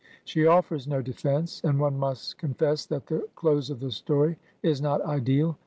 She offers no defence, and one must confess that the close of the story is not ideal.